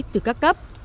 từ các cấp